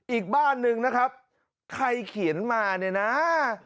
อีกบ้านหนึ่งนะครับใครเขียนมาเนี่ยนะ